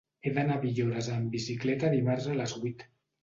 He d'anar a Villores amb bicicleta dimarts a les vuit.